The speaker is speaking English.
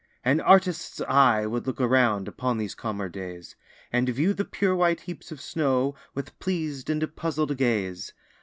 An artist's eye would look around, Upon these calmer days, And view the pure white heaps of snow, With pleas'd and puzzl'd gaze.